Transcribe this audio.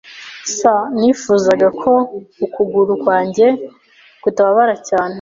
[S] Nifuzaga ko ukuguru kwanjye kutababara cyane.